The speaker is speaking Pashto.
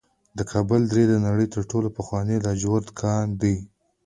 د کابل درې د نړۍ تر ټولو پخوانی د لاجورد کان دی